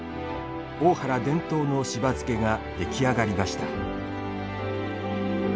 大原伝統のしば漬けが出来上がりました。